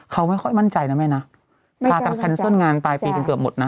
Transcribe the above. เขาไม่ค่อยมั่นใจนะแม่นะพากันแคนเซิลงานปลายปีกันเกือบหมดนะ